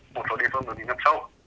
một số địa phương ngập sâu